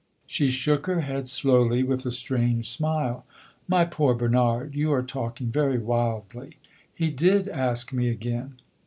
She shook her head slowly, with a strange smile. "My poor Bernard, you are talking very wildly. He did ask me again."